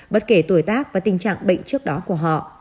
bất kể tuổi tác và tình trạng bệnh trước đó của họ